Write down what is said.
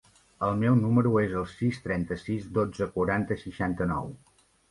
El meu número es el sis, trenta-sis, dotze, quaranta, seixanta-nou.